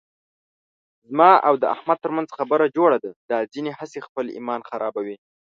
زما او د احمد ترمنځ خبره جوړه ده، دا ځنې هسې خپل ایمان خرابوي.